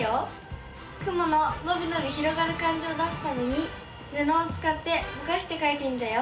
雲ののびのび広がる感じを出すためにぬのをつかってぼかしてかいてみたよ。